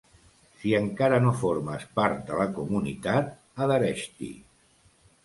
Si encara no formes part de la comunitat, adhereix-t'hi!